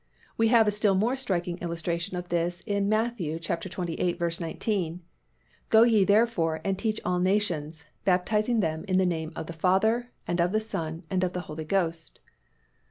We have a still more striking illustration of this in Matt. xxviii. 19, "Go ye therefore, and teach all nations, baptizing them in the name of the Father, and of the Son, and of the Holy Ghost."